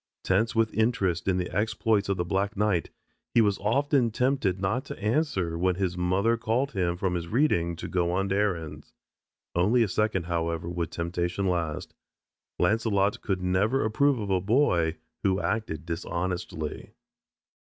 Tense with interest in the exploits of the black knight, he was often tempted not to answer when his mother called him from his reading to go on errands. Only a second, however, would temptation last. Launcelot could never approve of a boy who acted dishonestly.